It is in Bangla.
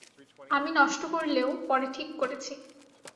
আমি নষ্ট করলেও, পরে ঠিক করেছি।